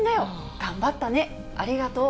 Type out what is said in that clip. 頑張ったね、ありがとう。